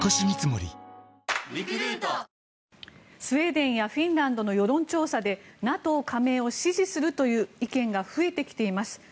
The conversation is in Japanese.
スウェーデンやフィンランドの世論調査でＮＡＴＯ加盟を支持するという意見が増えてきています。